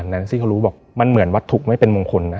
นั้นที่เขารู้บอกมันเหมือนวัตถุไม่เป็นมงคลนะ